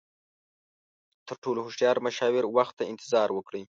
تر ټولو هوښیار مشاور، وخت ته انتظار وکړئ.